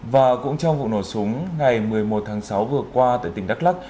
và cũng trong vụ nổ súng ngày một mươi một tháng sáu vừa qua tại tỉnh đắk lắc